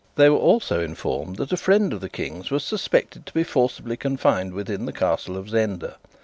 They were also informed that a friend of the King's was suspected to be forcibly confined within the Castle of Zenda.